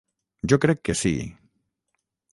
-Jo crec que sí…